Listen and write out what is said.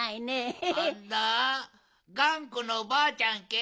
がんこのばあちゃんけ？